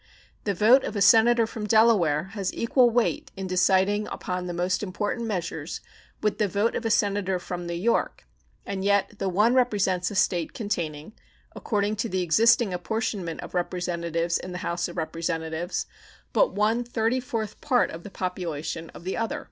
The vote of a Senator from Delaware has equal weight in deciding upon the most important measures with the vote of a Senator from New York, and yet the one represents a State containing, according to the existing apportionment of Representatives in the House of Representatives, but one thirty fourth part of the population of the other.